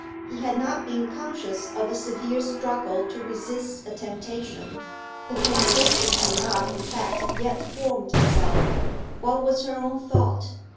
He had not been conscious of a severe struggle to resist a temptation; the temptation had not, in fact, yet formed itself. What was her own thought?